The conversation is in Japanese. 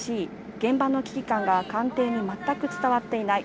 現場の危機感が官邸にまったく伝わっていない。